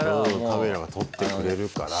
カメラが撮ってくれるから。